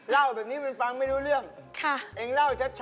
เล่าให้มันฟันนุด